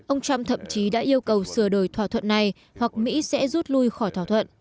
ông trump thậm chí đã yêu cầu sửa đổi thỏa thuận này hoặc mỹ sẽ rút lui khỏi thỏa thuận